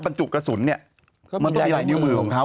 มันต้องมีหลายจุดมือของเขา